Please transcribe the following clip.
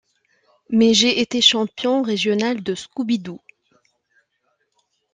mais j'ai été champion régional de scoubidou.